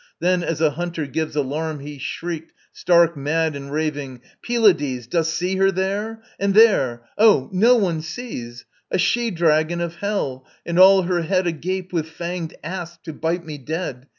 Then, as a hunter gives alarm, He shrieked, stark mad and raving: "Pylades, Dost see her there? And there Oh, no one sees! A she dragon of Hell, and all her head Agape with fanged asps, to bite me dead.